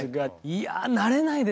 いやあ慣れないですね